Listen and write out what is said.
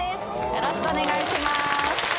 よろしくお願いします。